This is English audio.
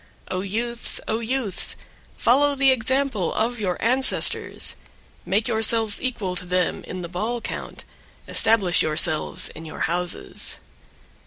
10. O youths! O youths! follow the example of your ancestors; make yourselves equal to them in the ball count; establish yourselves in your houses.